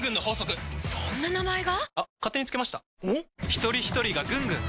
ひとりひとりがぐんぐん！